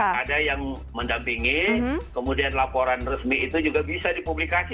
ada yang mendampingi kemudian laporan resmi itu juga bisa dipublikasi